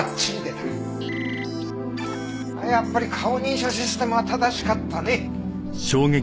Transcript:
やっぱり顔認証システムは正しかったね。